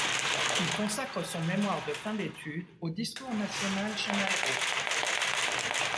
Il consacre son mémoire de fin d'études au discours national chez Malraux.